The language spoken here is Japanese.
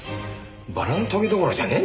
バラのトゲどころじゃねえな。